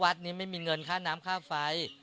นี้ไม่มีเงินค่าน้ำค่าไฟ